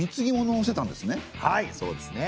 はいそうですね。